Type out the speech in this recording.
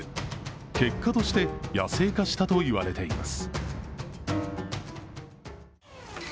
結果として野生化したと言われています。